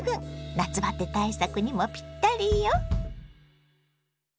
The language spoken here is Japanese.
夏バテ対策にもピッタリよ！